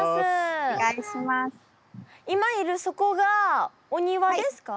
今いるそこがお庭ですか？